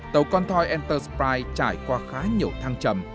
tàu con thoi entersprite trải qua khá nhiều thăng trầm